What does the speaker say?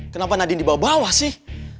kenapa nadine dibawa bawa sih